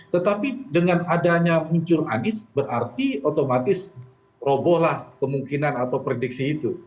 tetapi dengan adanya muncul anies berarti otomatis robohlah kemungkinan atau prediksi itu